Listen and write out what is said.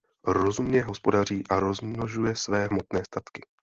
Rozumně hospodaří a rozmnožuje své hmotné statky.